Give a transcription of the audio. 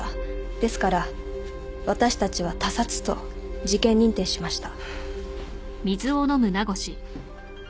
ですから私たちは他殺と事件認定しました。